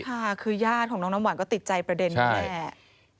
ค่ะคือญาติของน้องน้ำหวานก็ติดใจประเด็นนี้แหละ